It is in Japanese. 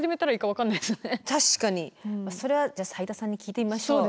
それは斉田さんに聞いてみましょう。